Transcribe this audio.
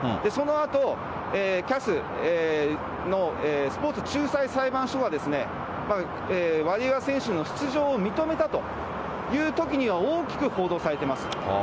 そのあと、ＣＡＳのスポーツ仲裁裁判所はワリエワ選手の出場を認めたというときには大きく報道されています。